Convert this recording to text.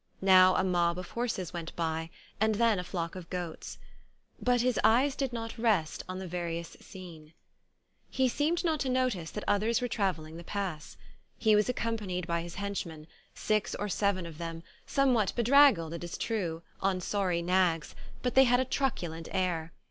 Now a mob of horses went by and then a flock of goats. But his eyes did not rest on the various scene. He seemed 17 ON A CHINESE SCREEN not to notice that others were travelling the pass. He was accompanied by his henchmen, six or seven of them, somewhat bedraggled it is true, on sorry nags, but they had a truculent air.